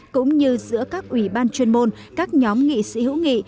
cũng như giữa các ủy ban chuyên môn các nhóm nghị sĩ hữu nghị